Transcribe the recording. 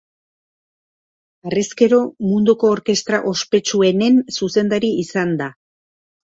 Harrezkero, munduko orkestra ospetsuenen zuzendari izan da.